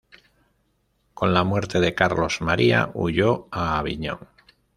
Con la muerte de Carlos, María huyó a Aviñón.